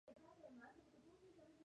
ام عاصم عبدالعزیز په نکاح کړه.